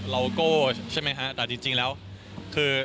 แต่เชรินจริงแล้วคือ